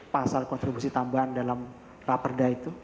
pasal kontribusi tambahan dalam perda itu